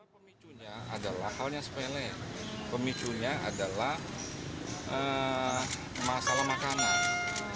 pemicu yang terjadi adalah masalah makanan